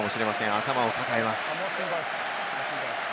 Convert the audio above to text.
頭を抱えます。